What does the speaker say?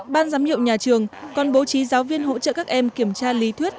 ban giám hiệu nhà trường còn bố trí giáo viên hỗ trợ các em kiểm tra lý thuyết